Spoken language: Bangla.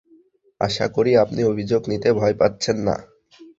আশা করি আপনি অভিযোগ নিতে ভয় পাচ্ছেন না?